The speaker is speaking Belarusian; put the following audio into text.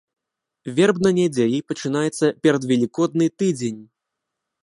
Вербнай нядзеляй пачынаецца перадвелікодны тыдзень.